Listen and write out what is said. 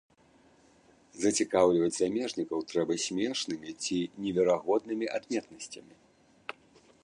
Зацікаўліваць замежнікаў трэба смешнымі ці неверагоднымі адметнасцямі.